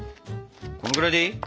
このぐらいでいい？